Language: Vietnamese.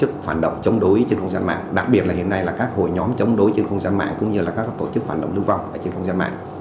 tổ chức phản động chống đối trên không gian mạng đặc biệt là hiện nay là các hội nhóm chống đối trên không gian mạng cũng như là các tổ chức phản động lưu vọng trên không gian mạng